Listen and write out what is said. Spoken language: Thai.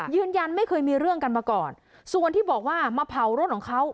ยืนยันไม่เคยมีเรื่องกันมาก่อนส่วนที่บอกว่ามาเผารถของเขา